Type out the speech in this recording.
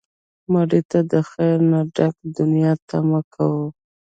مړه ته د خیر نه ډکه دنیا تمه کوو